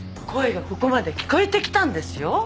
声がここまで聞こえてきたんですよ。